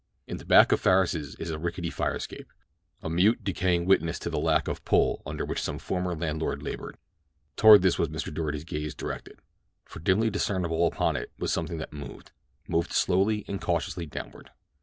In the back of Farris's is a rickety fire escape—a mute, decaying witness to the lack of pull under which some former landlord labored. Toward this was Mr. Doarty's gaze directed, for dimly discernible upon it was something that moved—moved slowly and cautiously downward.